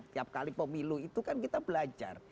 tiap kali pemilu itu kan kita belajar